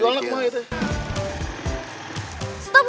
ayo ya teh kemana